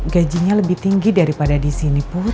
gajinya lebih tinggi daripada disini put